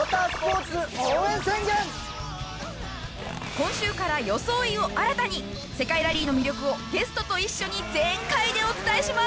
今週から装いを新たに世界ラリーの魅力をゲストと一緒に全開でお伝えします。